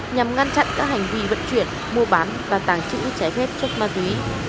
nhằm ngăn chặn các hành vi vận chuyển mua bán và tàng trữ trẻ phép cho ma túy